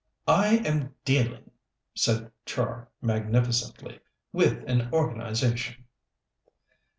"I am dealing," said Char magnificently, "with an organization."